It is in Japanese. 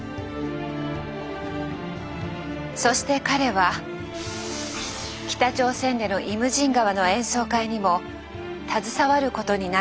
そして彼は北朝鮮での「イムジン河」の演奏会にも携わることになるのです。